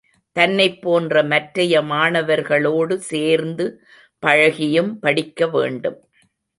தன்னைப் போன்ற மற்றைய மாணவர்களோடு சேர்ந்து பழகியும் படிக்க வேண்டும்.